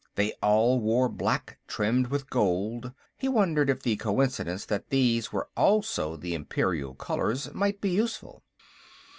They all wore black, trimmed with gold; he wondered if the coincidence that these were also the Imperial colors might be useful.